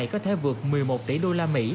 có thể vượt một mươi một tỷ usd